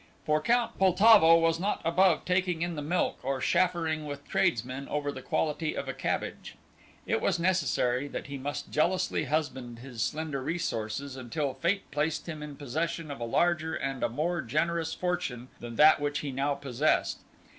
For Count Poltavo was not above taking in the milk or chaffering with tradesmen over the quality of a cabbage. It was necessary that he must jealously husband his slender resources until fate placed him in possession of a larger and a more generous fortune than that which he now possessed.